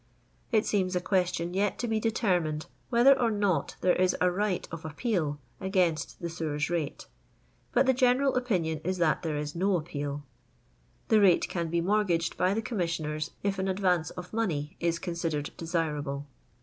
It seems a question yet to be determined whether or not there is a right of appeal against the sewers rate, but the general opinion is that there is %o appwL The rate can 1m mortgaged by the Commissioners if an advance of money is considered desirable.